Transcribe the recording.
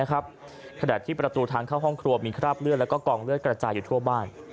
ขณะที่ประตูทางเข้าห้องครัวมีคราบเลือดแล้วก็กองเลือดกระจายอยู่ทั่วบ้าน